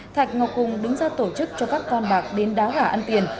thạch ngọc cùng đứng ra tổ chức cho các con bạc đến đá hỏa ăn tiền